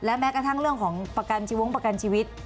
แม้กระทั่งเรื่องของประกันชีวงประกันชีวิต